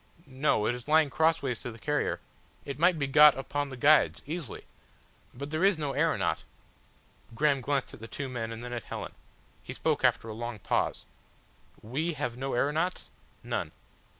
"No. It is lying crossways to the carrier. It might be got upon the guides easily. But there is no aeronaut ." Graham glanced at the two men and then at Helen. He spoke after a long pause. "We have no aeronauts?" "None."